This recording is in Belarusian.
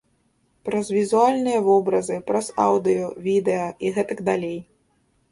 Праз візуальныя вобразы, праз аўдыё, відэа і гэтак далей.